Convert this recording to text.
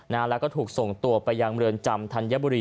นานแล้วก็ถูกส่งตัวไปยังเมืองจำธรรยบุรี